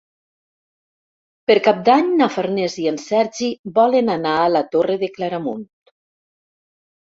Per Cap d'Any na Farners i en Sergi volen anar a la Torre de Claramunt.